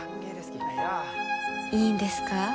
いいんですか？